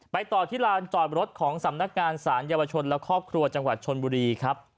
ต่อที่ลานจอดรถของสำนักงานสารเยาวชนและครอบครัวจังหวัดชนบุรีครับ